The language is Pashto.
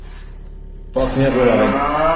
پاک نیت ولرئ.